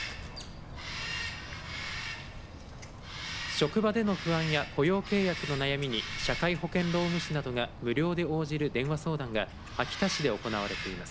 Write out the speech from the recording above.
職場での不安や雇用契約の悩みに社会保険労務士などが無料で応じる電話相談が秋田市で行われています。